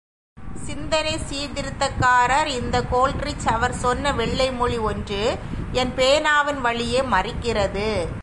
சிந்தனைச் சீர்திருத்தக்காரர் இந்த கோல்ரிட்ஜ், அவர் சொன்ன வெள்ளை மொழி ஒன்று என் பேனாவின் வழியை மறிக்கிறது.